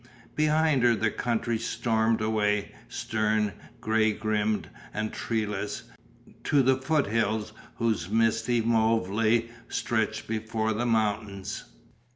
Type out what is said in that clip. Behind her the country stormed away, stern, grey grim and treeless, to the foothills whose misty mauve lay stretched before the mountains.